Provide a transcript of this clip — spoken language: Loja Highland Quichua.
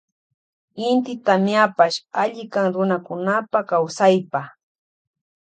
Inti tamiapash allikan runakunapa kawsaypa.